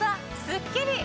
スッキリ！